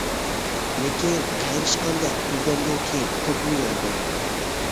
لېكىن قېرىشقاندەك بىردەمدىن كېيىن توكمۇ ياندى.